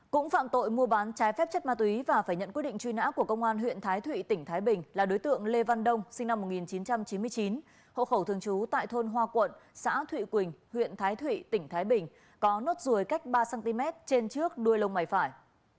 cũng phạm tội mua bán trái phép chất ma túy và phải nhận quyết định truy nã của công an huyện thái thụy tỉnh thái bình là đối tượng lê văn đông sinh năm một nghìn chín trăm chín mươi chín hộ khẩu thường trú tại thôn hoa quận xã thụy quỳnh huyện thái thụy tỉnh thái bình có nốt ruồi cách ba cm trên trước đuôi lông mày phải